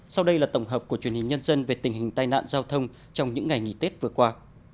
sau đây là tổng hợp của truyền hình nhân dân về tình hình tai nạn giao thông trong những ngày nghỉ tết vừa qua